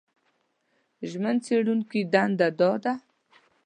ژمن څېړونکي دنده دا ده